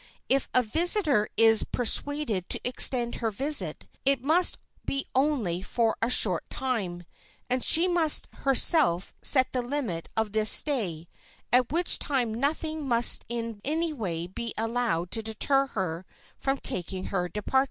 If a visitor is persuaded to extend her visit, it must be only for a short time, and she must herself set the limit of this stay, at which time nothing must in any way be allowed to deter her from taking her departure.